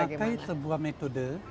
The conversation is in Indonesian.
saya memakai sebuah metode